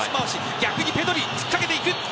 逆にペドリ、つっかけていく。